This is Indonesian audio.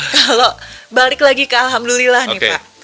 kalau balik lagi ke alhamdulillah nih pak